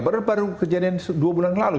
baru baru kejadian dua bulan lalu